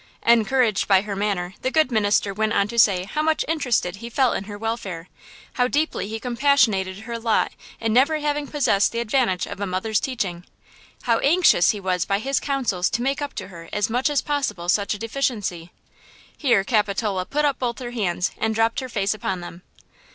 Encouraged by her manner, the good minister went on to say how much interested he felt in her welfare; how deeply he compassionated her lot in never having possessed the advantage of a mother's teaching; how anxious he was by his counsels to make up to her as much as possible such a deficiency. Here Capitola put up both her hands and dropped her face upon them.